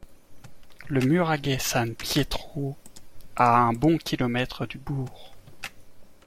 Le nuraghe San Pietro, à un bon kilomètre du bourg.